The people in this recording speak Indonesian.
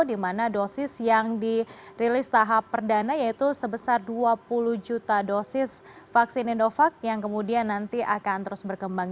di mana dosis yang dirilis tahap perdana yaitu sebesar dua puluh juta dosis vaksin indovac yang kemudian nanti akan terus berkembang